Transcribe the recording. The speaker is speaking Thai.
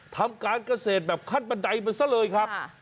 ทำการเกษตรแบบขั้นบันไดมันซะเลยครับ